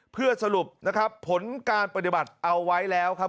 เพื่อสรุปนะครับผลการปฏิบัติเอาไว้แล้วครับ